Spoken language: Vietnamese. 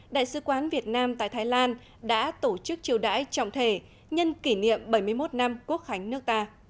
đại sứ quán việt nam tại thái lan đã tổ chức triều đãi trọng thể nhân kỷ niệm bảy mươi một năm quốc khánh nước ta